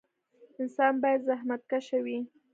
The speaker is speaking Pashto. انسان باید زخمتکشه وي